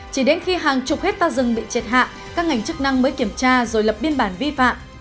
chỉ đến khi hàng chục hectare rừng bị triệt hạ các ngành chức năng mới kiểm tra rồi lập biên bản vi phạm